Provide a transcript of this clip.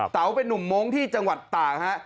เต๋าเป็นนุ่มมงค์ที่จังหวัดต่างฮะ